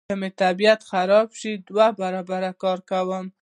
که مې طبیعت خراب شي دوه برابره کار کوم.